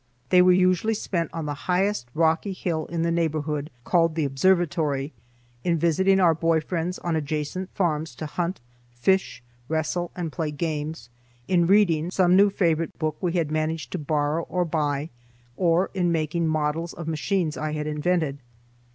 They were usually spent on the highest rocky hill in the neighborhood, called the Observatory; in visiting our boy friends on adjacent farms to hunt, fish, wrestle, and play games; in reading some new favorite book we had managed to borrow or buy; or in making models of machines I had invented.